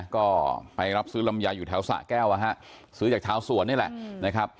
ก็ไปรับซื้อลำไยอยู่แถวสะแก้วซื้อจากชาวสวนนี่แหละนะครับ